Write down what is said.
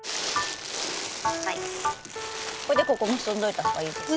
これでここ結んどいた方がいいですか？